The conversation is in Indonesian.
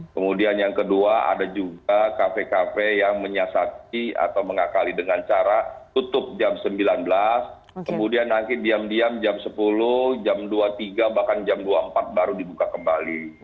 kemudian yang kedua ada juga kafe kafe yang menyiasati atau mengakali dengan cara tutup jam sembilan belas kemudian nanti diam diam jam sepuluh jam dua puluh tiga bahkan jam dua puluh empat baru dibuka kembali